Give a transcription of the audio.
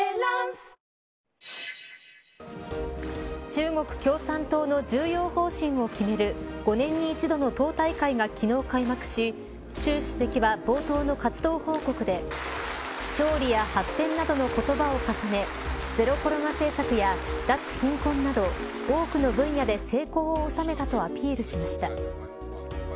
中国共産党の重要方針を決める５年に一度の党大会が昨日開幕し習首席は冒頭の活動報告で勝利や発展などの言葉を重ねゼロコロナ政策や脱貧困など多くの分野で成功を収めたとアピールしました。